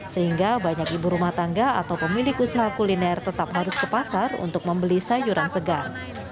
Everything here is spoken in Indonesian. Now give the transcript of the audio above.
sehingga banyak ibu rumah tangga atau pemilik usaha kuliner tetap harus ke pasar untuk membeli sayuran segar